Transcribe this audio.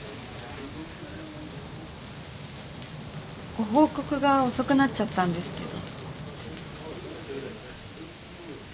ご報告が遅くなっちゃったんですけど。